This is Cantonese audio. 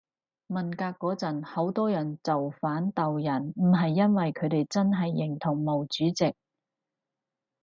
文革嗰陣好多人造反鬥人唔係因爲佢哋真係認同毛主席